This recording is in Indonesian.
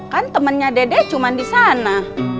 kan temennya dedek cuma di sana